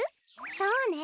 そうね。